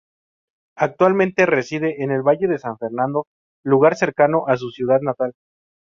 Actualmente reside en el Valle de San Fernando, lugar cercano a su ciudad natal.